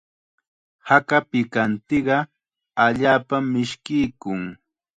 Haka pikantiqa allaapam mishkiykun.